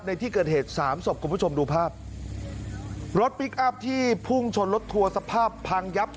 ในที่เกิดเหตุสามศพคุณผู้ชมดูภาพรถพลิกอัพที่พุ่งชนรถทัวร์สภาพพังยับ